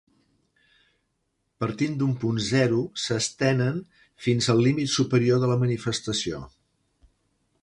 Partint d'un punt zero s'estenen fins al límit superior de la manifestació.